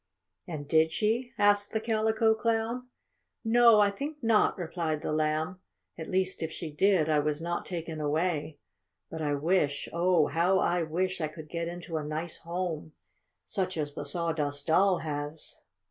"And did she?" asked the Calico Clown. "No, I think not," replied the Lamb. "At least, if she did, I was not taken away. But I wish, oh, how I wish I could get into a nice home, such as the Sawdust Doll has."